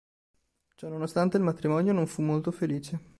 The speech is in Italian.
Ciò nonostante il matrimonio non fu molto felice.